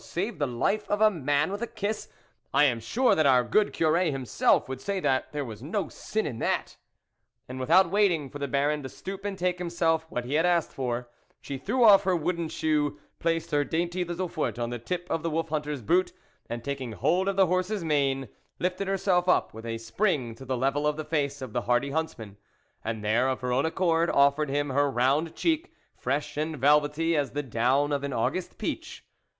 " Save the life of a man with a kiss ! I am sure that our good Curb himself would say there was no sin in that." ^ And without waiting for the Baron to stoop and take himself what he had asked for, she threw off her wooden shoe, placed her dainty little foot on the tip of the wolf hunter's boot, and taking hold of the horse's mane, lifted herself up with a spring to the level of the face of the hardy huntsman, and there of her own accord offered him her round cheek, fresh, and velvety as the down of an August peach.